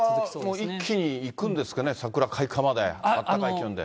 これが一気にいくんですかね、桜開花まで、あったかい気温で。